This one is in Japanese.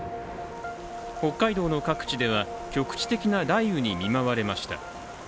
北海道の各地では局地的な雷雨に見舞われました。